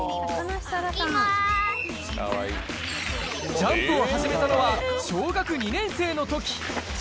ジャンプを始めたのは、小学２年生のとき。